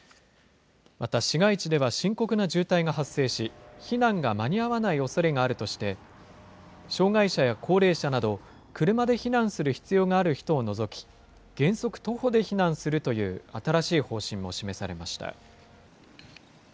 また、市街地では深刻な渋滞が発生し、避難が間に合わないおそれがあるとして、障害者や高齢者など、車で避難する必要がある人を除き、原則、徒歩で避難するという新しい方針も示されました。